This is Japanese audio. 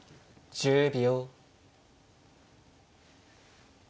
１０秒。